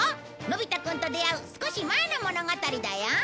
のび太くんと出会う少し前の物語だよ。